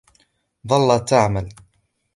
ظلت تعمل.